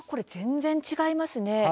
全然違います。